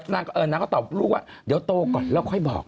นางก็ตอบลูกว่าเดี๋ยวโตก่อนแล้วค่อยบอก